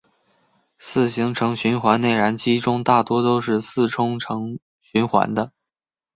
四行程循环内燃机中大多都是四冲程循环的。